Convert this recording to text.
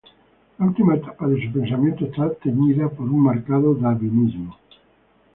La última etapa de su pensamiento está teñida por un marcado darwinismo.